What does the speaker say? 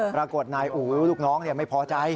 ปรากฏนายอู๋ลูกน้องไม่พอใจ